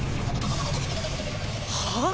はあ！？